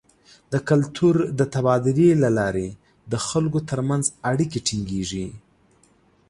د کلتور د تبادلې له لارې د خلکو تر منځ اړیکې ټینګیږي.